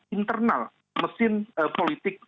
internal mesin politik